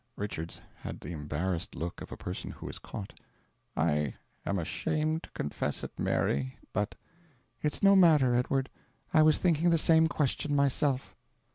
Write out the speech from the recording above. Richards had the embarrassed look of a person who is caught. "I am ashamed to confess it, Mary, but " "It's no matter, Edward, I was thinking the same question myself."